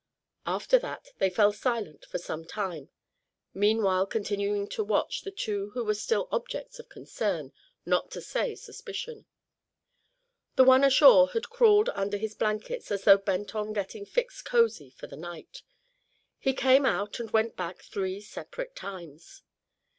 After that they fell silent for some time, meanwhile continuing to watch the two who were still objects of concern, not to say suspicion. The one ashore had crawled under his blankets as though bent on getting fixed cozy for the night. He came out and went back three separate times.